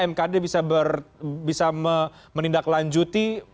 mkd bisa menindaklanjuti